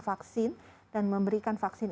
vaksin dan memberikan vaksin